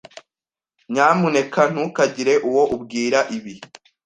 Nyamuneka ntukagire uwo ubwira ibi.